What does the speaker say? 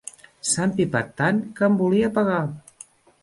S'ha empipat tant, que em volia pegar!